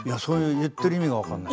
言ってる意味が分からない。